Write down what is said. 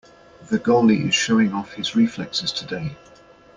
The goalie is showing off his reflexes today.